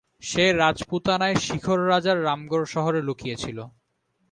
সে রাজপুতানায় শিখর রাজার রামগড় শহরে লুকিয়ে ছিল।